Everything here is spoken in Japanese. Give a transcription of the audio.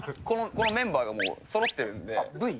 このメンバーがもうそろって部位？